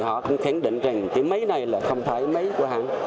họ cũng khẳng định rằng cái máy này là không phải máy của hãng